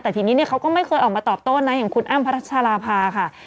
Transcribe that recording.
แต่ทีนี้เขาก็ไม่เคยออกมาตอบโต้นะอย่างคุณอ้ำพัชราภาค่ะ